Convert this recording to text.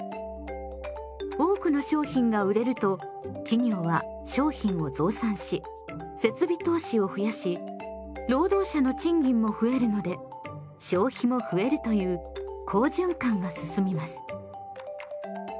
多くの商品が売れると企業は商品を増産し設備投資を増やし労働者の賃金も増えるので消費も増えるという好循環が進みます。